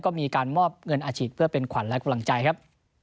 ก็มีการมอบเงินอาชีพเพื่อเป็นขวัญและกำลังใจครับ